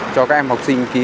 cho các em học sinh ký